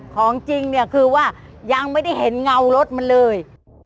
ของจริงเนี่ยคือว่ายังไม่ได้เห็นเงารถมันเลย